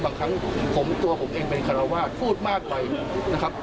บางครั้งผมตัวผมเองเป็นคาราวาสพูดมากไปนะครับ